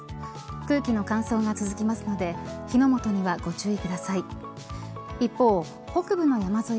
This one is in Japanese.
空気の乾燥が続きますので火の元にはご注意ください。